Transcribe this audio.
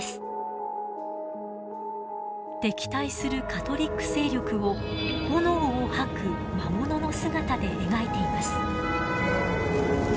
敵対するカトリック勢力を炎を吐く魔物の姿で描いています。